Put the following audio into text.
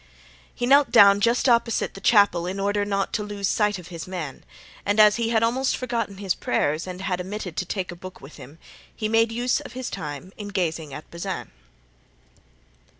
He knelt down just opposite the chapel in order not to lose sight of his man; and as he had almost forgotten his prayers and had omitted to take a book with him, he made use of his time in gazing at Bazin.